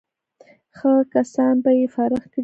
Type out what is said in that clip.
ښه کسان به یې فارغ کړي وای.